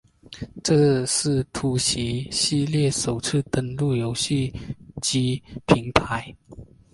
这是突袭系列首次登陆游戏机平台。